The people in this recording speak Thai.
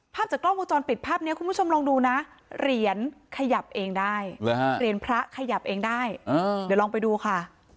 ภาพจากกล้องวงจรปิดภาพนี้คุณผู้ชมลองดูนะเรียนไข่หยับเองได้เดี๋ยวลองไปดูค่ะ